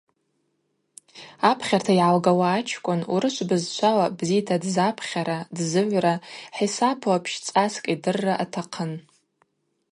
Апхьарта йгӏалгауа ачкӏвын урышв бызшвала бзита дзапхьара, дзыгӏвра, хӏисапла пщцӏаскӏ йдырра атахъын.